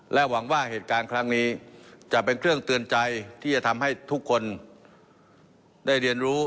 หวังว่าเหตุการณ์ครั้งนี้จะเป็นเครื่องเตือนใจที่จะทำให้ทุกคนได้เรียนรู้